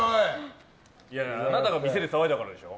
いや、あなたが店で騒いだからでしょ。